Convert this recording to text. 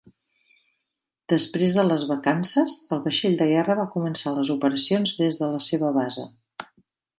Després de les vacances, el vaixell de guerra va començar les operacions des de la seva base.